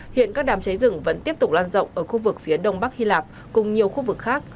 hiện các đám cháy rừng vẫn tiếp tục lan rộng ở khu vực phía đông bắc hy lạp cùng nhiều khu vực khác